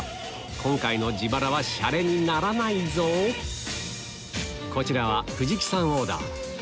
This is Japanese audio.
今回の自腹はシャレにならないぞこちらは藤木さん